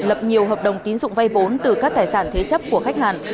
lập nhiều hợp đồng tín dụng vay vốn từ các tài sản thế chấp của khách hàng